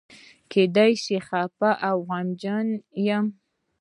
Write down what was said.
کېدای شي خپه او غمجن یم.